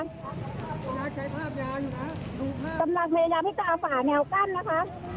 กำลังพยายามที่จะเอาฝาแนวกั้นนะคะ